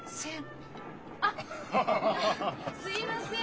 あっすいません！